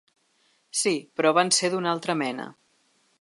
Sí, però van ser d’una altra mena.